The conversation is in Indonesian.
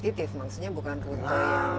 ketitif maksudnya bukan rute